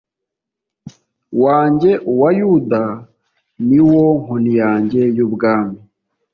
wanjye uwa yuda ni wo nkoni yanjye y ubwami